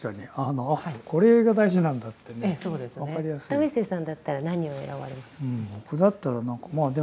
為末さんだったら何を選ばれますか？